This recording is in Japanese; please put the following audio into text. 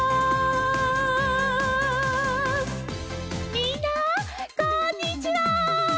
みんなこんにちは。